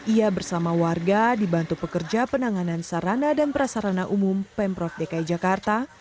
ia bersama warga dibantu pekerja penanganan sarana dan prasarana umum pemprov dki jakarta